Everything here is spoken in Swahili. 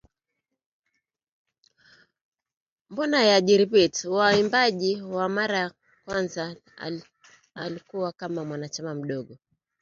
Wa uimbaji kwa mara ya kwanza akiwa kama mwanachama mdogo